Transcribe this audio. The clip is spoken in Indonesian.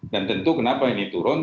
dan tentu kenapa ini turun